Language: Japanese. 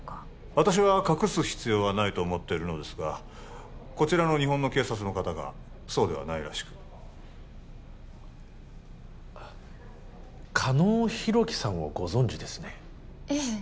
私は隠す必要はないと思っているのですがこちらの日本の警察の方がそうではないらしく狩野浩紀さんをご存じですねええ